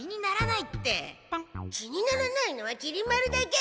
気にならないのはきり丸だけ！